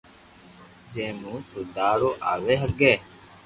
جي مون سودارو آوي ھگي